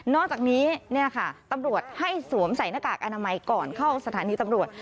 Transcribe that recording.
อกจากนี้ตำรวจให้สวมใส่หน้ากากอนามัยก่อนเข้าสถานีตำรวจ